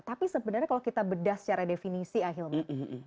tapi sebenarnya kalau kita bedah secara definisi ahilman